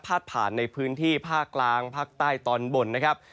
ผ่านในพื้นที่ภาคกลางภาคใต้ตอนบนนะครับ